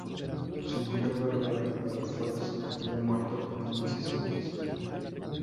Su mujer, Bárbara Palafox, había muerto unos meses antes.